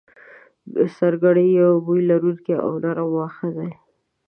سرګړی یو بوی لرونکی او نرم واخه دی